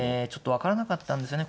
分からなかったんですよね